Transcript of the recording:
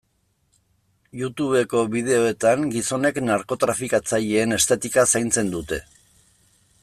Youtubeko bideoetan gizonek narkotrafikatzaileen estetika zaintzen dute.